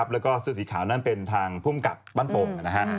แล้วก็เสื้อสีขาวนั้นเป็นทางพุ่มกับบ้านโป่ง